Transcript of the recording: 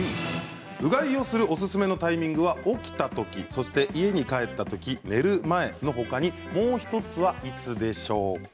うがいをするおすすめのタイミングは起きたとき、そして家に帰ったとき、寝る前のほかにもう１つはいつでしょうか？